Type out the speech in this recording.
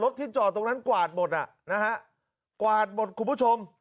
ที่จอดตรงนั้นกวาดหมดอ่ะนะฮะกวาดหมดคุณผู้ชม